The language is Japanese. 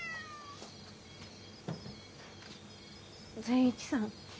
善一さん。